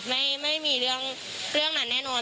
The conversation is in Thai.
ไม่ไม่มีเรื่องเรื่องนั้นแน่นอน